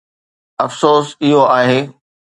افسوس، اهو آهي.